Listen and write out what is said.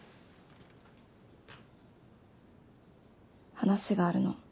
話があるの。